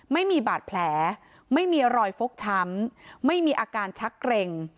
ไม่มีบาดแผลไม่มีรอยฟกช้ำไม่มีอาการชักเกร็ง